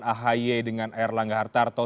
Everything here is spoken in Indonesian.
ahi dengan r langga hartarto